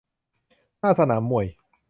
หน้าสนามมวย